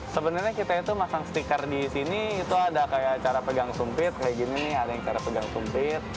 sebenarnya kita itu masang stiker di sini itu ada kayak cara pegang sumpit kayak gini nih ada yang cara pegang sumpit